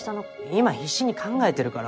今必死に考えてるから。